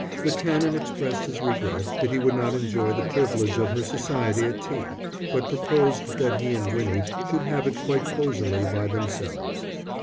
The Canon expressed his regret that he would not enjoy the privilege of her society at tea, but proposed that he and Winnie should have it quite cosily by themselves.